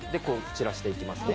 散らしていきますね。